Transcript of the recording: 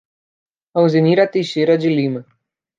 Alzenira Teixeira de Lima